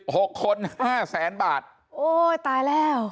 หกคนห้าแสนบาทโอ้ยตายแล้ว